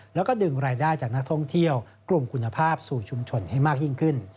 แล้วก็ดึงรายได้จากนักท่องเที่ยวกลุ่มคุณภาพสู่ชุมชนให้มากยิ่งขึ้น